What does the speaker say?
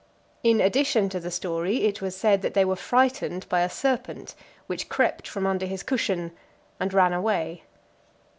In addition to the story, it was said that they were frightened by a serpent, which crept from under his cushion, and ran away.